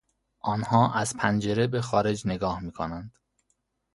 آنها از پنجره بهخارج نگاه میکنند.